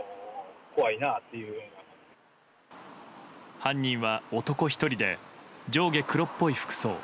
犯人は男１人で上下黒っぽい服装。